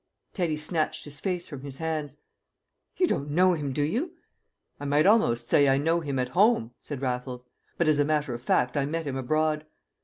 Teddy snatched his face from his hands. "You don't know him, do you?" "I might almost say I know him at home," said Raffles. "But as a matter of fact I met him abroad."